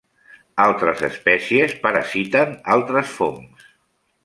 Altres espècies parasiten altres fongs.